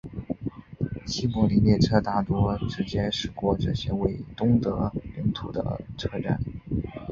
西柏林列车大多直接驶过这些位于东德领土的车站。